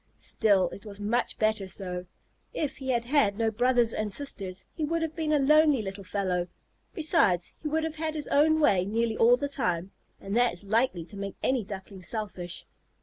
Still, it was much better so. If he had had no brothers and sisters, he would have been a lonely little fellow; besides, he would have had his own way nearly all the time, and that is likely to make any Duckling selfish.